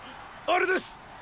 あれです！